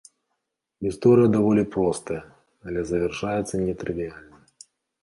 Гісторыя даволі простая, але завяршаецца нетрывіяльна.